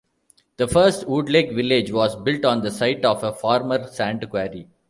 The first, "Woodlake Village" was built on the site of a former sand quarry.